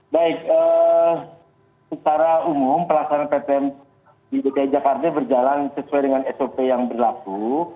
baik secara umum pelaksanaan ptm di dki jakarta berjalan sesuai dengan sop yang berlaku